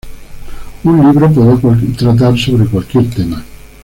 Un libro puede tratar sobre cualquier tema.